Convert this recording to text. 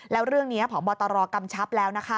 แล้วเรื่องนี้แผ่นบอตรอกำชับแล้ว